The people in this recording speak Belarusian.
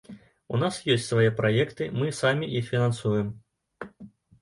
У нас ёсць свае праекты, мы самі іх фінансуем.